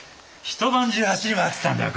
一晩中走り回ってたんだよ